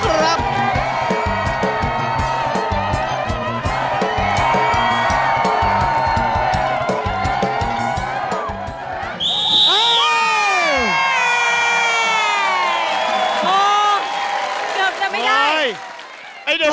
เกือบจะไม่ได้